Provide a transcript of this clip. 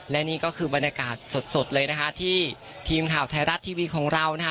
และนี่ก็คือบรรยากาศสดเลยนะคะที่ทีมข่าวไทยรัฐทีวีของเรานะคะ